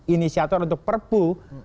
inisiator untuk perpu